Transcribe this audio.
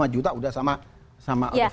lima juta udah sama